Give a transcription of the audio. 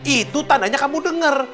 itu tandanya kamu dengar